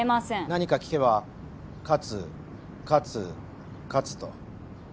何か聞けば「勝つ」「勝つ」「勝つ」と。